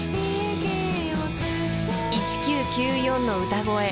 ［１９９４の歌声。